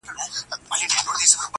په ښراوو، په بد نوم او په ښکنځلو،